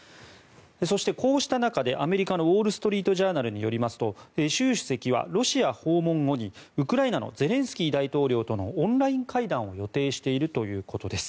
そして、こうした中でアメリカのウォール・ストリート・ジャーナルによりますと習主席はロシア訪問後にウクライナのゼレンスキー大統領とのオンライン会談を予定しているということです。